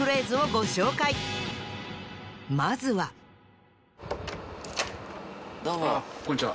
まずはああこんにちは